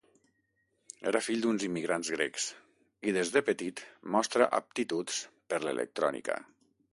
Era fill d'uns immigrants grecs i des de petit mostra aptituds per l'electrònica.